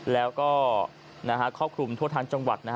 แล้วก็ครอบคลุมทั่วทั้งจังหวัด